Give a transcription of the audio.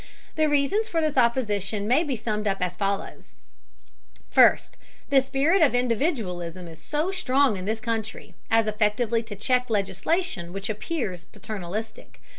The reasons for this opposition may be summed up as follows: First, the spirit of individualism is so strong in this country as effectively to check legislation which appears paternalistic.